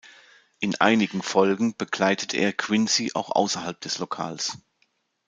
In einigen Folgen begleitet er Quincy auch außerhalb des Lokals.